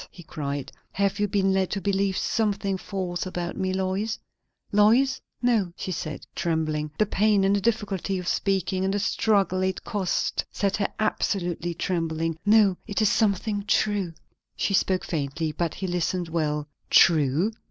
he cried. "Have you been led to believe something false about me, Lois? Lois?" "No," she said, trembling; the pain, and the difficulty of speaking, and the struggle it cost, set her absolutely to trembling. "No, it is something true." She spoke faintly, but he listened well. "_True!